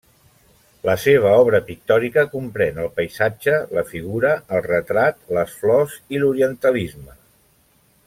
La seva obra pictòrica comprèn el paisatge, la figura, el retrat, les flors i l'orientalisme.